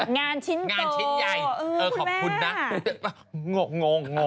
งานชิ้นโตงานชิ้นใหญ่เออขอบคุณนะคุณแม่งง